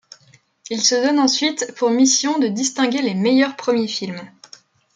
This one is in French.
Il se donne ensuite pour mission de distinguer les meilleurs premiers films.